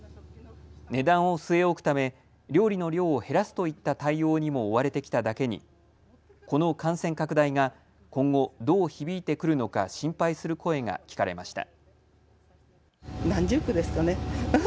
値段を据え置くため料理の量を減らすといった対応にも追われてきただけにこの感染拡大が今後、どう響いてくるのか心配する声が聞かれました。